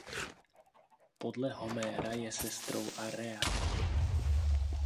Podle Homéra je sestrou Area.